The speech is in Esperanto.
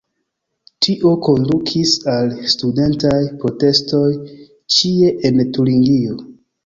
Tio kondukis al studentaj protestoj ĉie en Turingio.